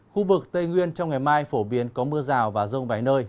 khu vực tây nguyên trong ngày mai phổ biến có mưa rào và rông vài nơi